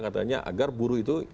katanya agar buruh itu